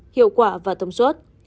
hiệu quả và tổng suất